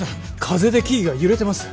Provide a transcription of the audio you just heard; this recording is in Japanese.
風で木々が揺れてます